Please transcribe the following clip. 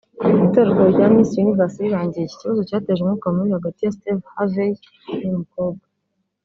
Itorwa rya Miss Universe rirangiye iki kibazo cyateje umwuka mubi hagati ya Steve Harvey n’uyu mukobwa